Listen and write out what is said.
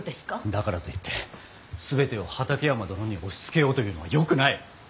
だからといって全てを畠山殿に押しつけようというのはよくない。